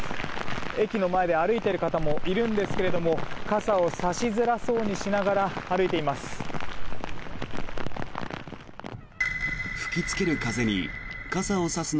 駅の前で歩いている方もいるんですけれども傘を差しづらそうにしながら歩いています。